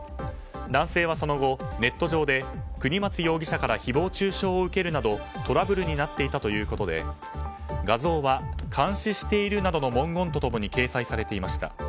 男性はその後ネット上で国松容疑者から誹謗中傷を受けるなどトラブルになっていたということで画像は監視しているなどの文言と共に掲載されていました。